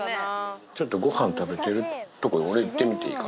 ちょっとごはん食べてるとこ、俺、行ってみていいか。